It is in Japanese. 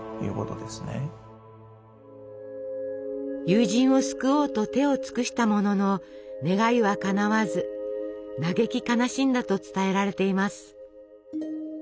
友人を救おうと手を尽くしたものの願いはかなわず嘆き悲しんだと伝えられています。